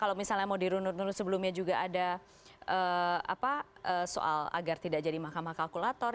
kalau misalnya mau dirunut nur sebelumnya juga ada soal agar tidak jadi mahkamah kalkulator